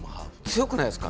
強くないですか？